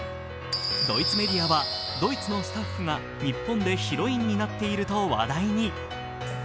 ドイツのメディアは、ドイツのスタッフが日本でヒロインになっていると話題に。